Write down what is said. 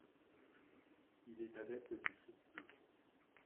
Il est adepte du freeski.